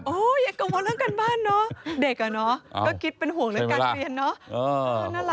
อย่ากังวลเรื่องการบ้านเนอะเด็กอ่ะเนอะก็คิดเป็นห่วงเรื่องการเรียนเนาะ